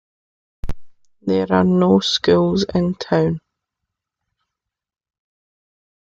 There are no schools in town.